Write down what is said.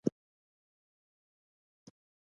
کورس د زده کړو یوه لاره ده.